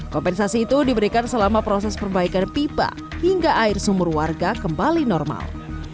kompensasi itu diberikan selama proses perbaikan pipa hingga air sumur warga kembali normal